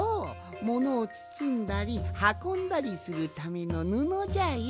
ものをつつんだりはこんだりするためのぬのじゃよ。